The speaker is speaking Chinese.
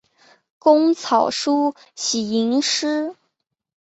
工草书喜吟诗。